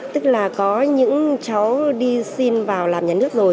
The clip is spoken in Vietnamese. tức là có những cháu đi xin vào làm nhà nước rồi